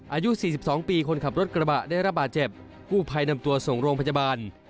อายุ๔๒ปีคนขับรถกระบะได้ระบาดเจ็บกู้ภัยนำตัวส่งโรงพยาบาล